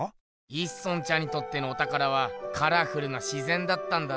一村ちゃんにとってのおたからはカラフルな自ぜんだったんだろ。